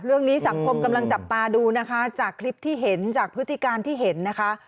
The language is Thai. เรื่องนี้สังคมกำลังจับตาดูนะคะจากคลิปที่เห็นจากพฤติการที่เห็นนะคะ